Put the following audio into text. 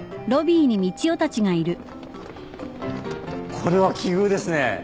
これは奇遇ですね。